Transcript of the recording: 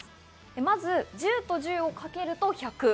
まず１０と１０をかけると１００。